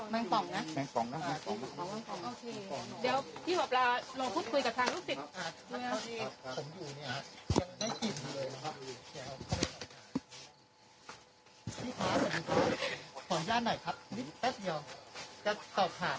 แม่งปล่องแม่งปล่องแม่งปล่องนะ